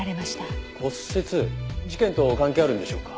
骨折事件と関係あるんでしょうか？